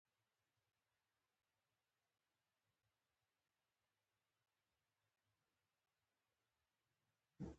میرمن وویل ډیر په شور سره ښاغلی هولمز